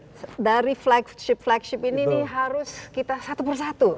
nah dari flagship flagship ini harus kita satu persatu